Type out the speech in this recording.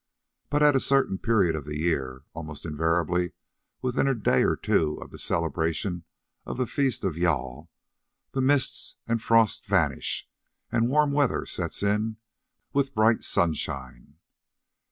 But at a certain period of a year, almost invariably within a day or two of the celebration of the feast of Jâl, the mists and frost vanish and warm weather sets in with bright sunshine.